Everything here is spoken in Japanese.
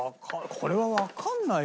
これはわかんないわ。